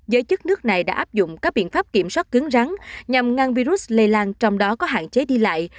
giới chức nước này đã áp dụng các biện pháp kiểm soát cứng rắn nhằm ngăn virus lây lan trong đó có hạn chế đi lại